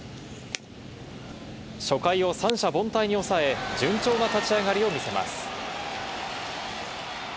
初回を三者凡退に抑え、順調な立ち上がりを見せます。